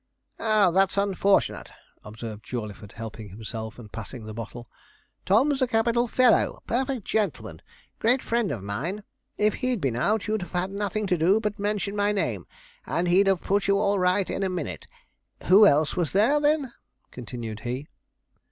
'Ah, that's unfortunate,' observed Jawleyford, helping himself and passing the bottle. 'Tom's a capital fellow a perfect gentleman great friend of mine. If he'd been out you'd have had nothing to do but mention my name, and he'd have put you all right in a minute. Who else was there, then?' continued he.